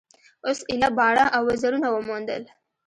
اوس ایله باڼه او وزرونه وموندل.